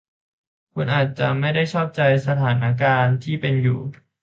คุณอาจจะไม่ได้ชอบใจสถานการณ์ที่เป็นอยู่